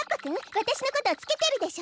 わたしのことをつけてるでしょ！